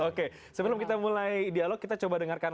oke sebelum kita mulai dialog kita coba dengarkan